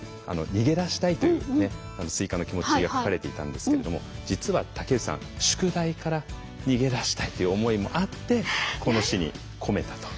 逃げ出したいというスイカの気持ちが書かれていたんですけれども実は竹内さん宿題から逃げ出したいという思いもあってこの詩に込めたと。